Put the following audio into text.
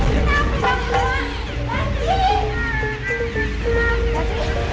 ibu bahkan mudah